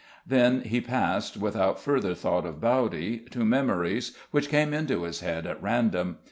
Then he passed, without further thought of Bowdy, to memories which came into his head at random.